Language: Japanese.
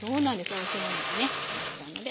おいしいものがねなくなっちゃうのではい。